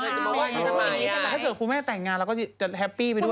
แต่ถ้าเกิดคุณแม่แต่งงานเราก็จะแฮปปี้ไปด้วย